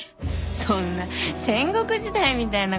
そんな戦国時代みたいなこと。